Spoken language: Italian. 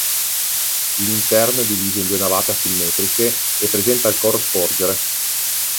L'interno è diviso in due navate asimmetriche e presenta il coro sporgere.